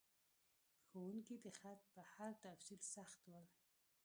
ښوونکي د خط په هر تفصیل سخت ول.